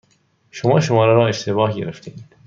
شما شماره را اشتباه گرفتهاید.